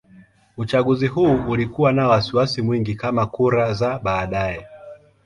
Uchaguzi huu ulikuwa na wasiwasi mwingi kama kura za baadaye.